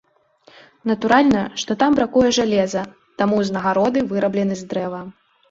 Натуральна, што там бракуе жалеза, таму ўзнагароды выраблены з дрэва.